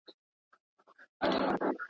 د ده شعر ځانګړی ارزښت لري.